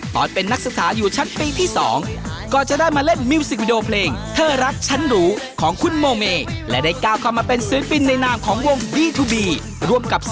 ต่อหน้าฉันเธอทำอย่างนั้นได้อย่างไร